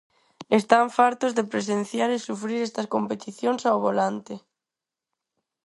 Están fartos de presenciar e sufrir estas competicións ao volante.